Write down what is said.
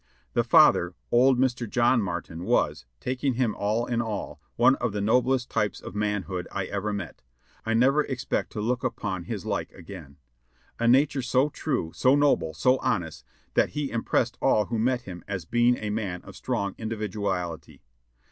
The father, old Mr. John Martin, was, taking him all in all. one of the noblest types of manhood I ever met ; I never ex pect to look upon his like again. A nature so true, so noble, so honest that he impressed all who met him as being a man of strong individuality.